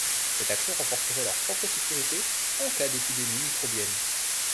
Cette action renforcerait leur propre sécurité en cas d’épidémies microbiennes.